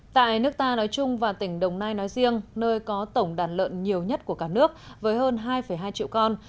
tại nước ta nói chung và tỉnh đồng nai nói riêng nơi có tổng đàn lợn nhiều nhất của cả nước với hơn hai hai triệu con